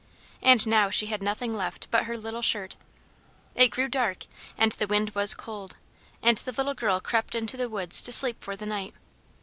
And now she had nothing left but her little shirt. It grew dark, and the wind was cold, and the little girl crept into the woods, to sleep for the night.